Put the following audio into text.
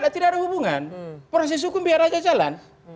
tidak ada hubungan proses hukum biar aja jalan